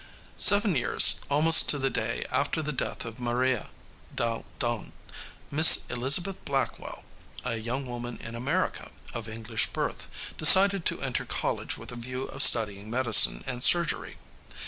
Seven years, almost to the day, after the death of Maria dalle Donne, Miss Elizabeth Blackwell, a young woman in America, of English birth, decided to enter college with a view of studying medicine and surgery.